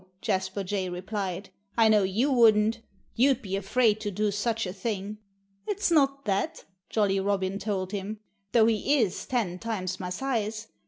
Jasper Jay replied. "I know you wouldn't. You'd be afraid to do such a thing." "It's not that," Jolly Robin told him, "though he is ten times my size.